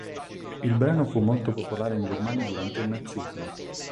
Il brano fu molto popolare in Germania durante il nazismo.